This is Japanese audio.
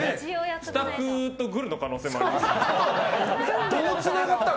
スタッフとグルの可能性もありますから。